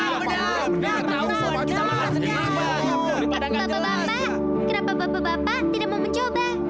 bapak bapak kenapa bapak bapak tidak mau mencoba